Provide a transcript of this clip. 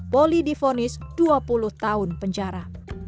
poli difonis dua puluh tahun penjara